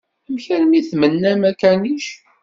Amek armi i d-tmennam akanic?